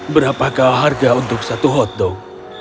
berapa kau harga untuk satu hotdog